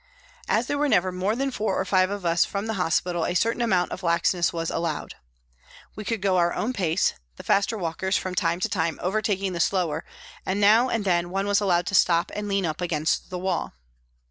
As there were never more than four or five of us from the hospital a certain amount of laxness was allowed. We could go our own pace, the faster walkers from time to time overtaking the slower and now and then one was allowed to stop and lean up against the wall.